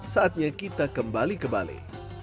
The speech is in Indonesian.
saatnya kita kembali ke bali